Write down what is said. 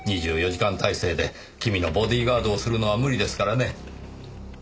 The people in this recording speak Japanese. ２４時間態勢で君のボディーガードをするのは無理ですからね。